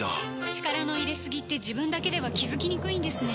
力の入れすぎって自分だけでは気付きにくいんですね